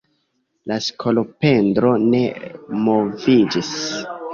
La skolopendro ne moviĝis.